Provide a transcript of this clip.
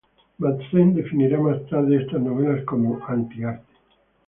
Madsen definirá más adelante esas novelas como "anti arte".